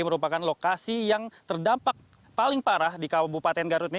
merupakan lokasi yang terdampak paling parah di kabupaten garut ini